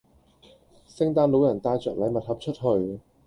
聖誕老人帶着禮物盒出去